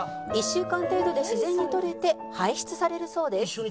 「１週間程度で自然に取れて排出されるそうです」